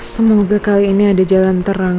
semoga kali ini ada jalan terang